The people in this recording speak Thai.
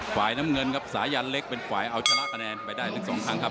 ฝ่ายน้ำเงินครับสายันเล็กเป็นฝ่ายเอาชนะคะแนนไปได้ถึงสองครั้งครับ